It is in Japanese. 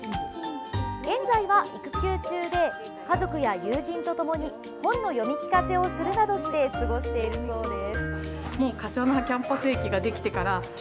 現在は育休中で家族や友人と共に本の読み聞かせをするなどして過ごしているそうです。